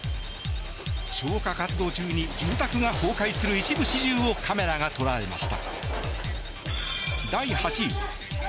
消火活動中に住宅が崩壊する一部始終をカメラが捉えました。